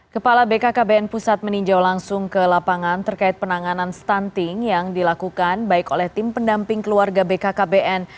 kepala bkkbn pusat meninjau langsung ke lapangan terkait penanganan stunting yang dilakukan baik oleh tim pendamping keluarga bkkbn